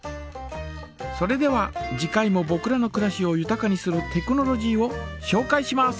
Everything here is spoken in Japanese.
それでは次回もぼくらのくらしをゆたかにするテクノロジーをしょうかいします。